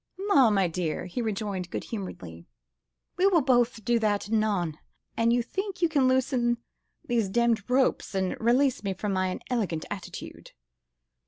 "La! m'dear," he rejoined good humouredly, "we will both do that anon, an you think you can loosen these demmed ropes, and release me from my inelegant attitude."